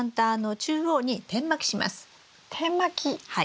はい。